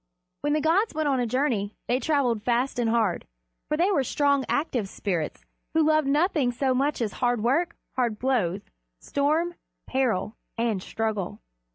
When the gods went on a journey they traveled fast and hard, for they were strong, active spirits who loved nothing so much as hard work, hard blows, storm, peril, and struggle.